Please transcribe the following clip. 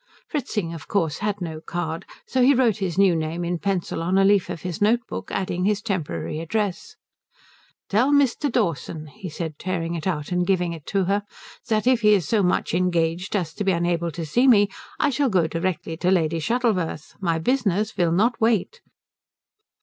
Fritzing, of course, had no card, so he wrote his new name in pencil on a leaf of his notebook, adding his temporary address. "Tell Mr. Dawson," he said, tearing it out and giving it to her, "that if he is so much engaged as to be unable to see me I shall go direct to Lady Shuttleworth. My business will not wait."